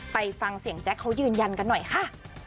ไปฟังเสียงแจ๊คเขายืนยันกันหน่อยค่ะ